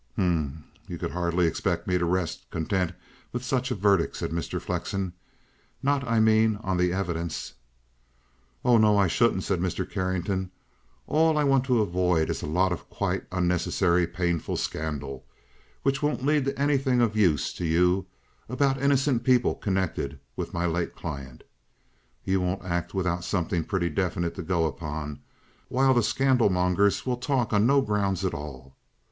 "H'm! You could hardly expect me to rest content with such a verdict," said Mr. Flexen. "Not, I mean, on the evidence." "Oh, no; I shouldn't," said Mr. Carrington. "All I want to avoid is a lot of quite unnecessary painful scandal, which won't lead to anything of use to you, about innocent people connected with my late client. You won't act without something pretty definite to go upon, while the scandalmongers will talk on no grounds at all.